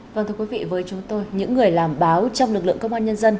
vâng thưa quý vị với chúng tôi những người làm báo trong lực lượng công an nhân dân